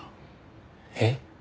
えっ？